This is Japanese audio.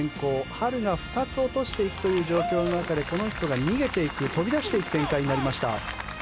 ハルが２つ落としていくという状況の中でこの人が逃げていく、飛び出していく展開になりました。